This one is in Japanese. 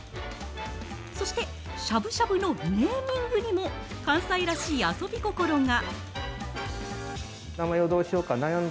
そして、しゃぶしゃぶのネーミングにも、関西らしい遊び心が。